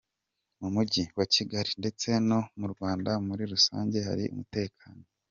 Mu Mujyi wa Kigali ndetse no mu Rwanda muri rusange hari umutekano.